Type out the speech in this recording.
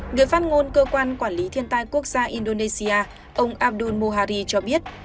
người phát ngôn cơ quan quản lý thiên tai quốc gia indonesia ông abdul mohari cho biết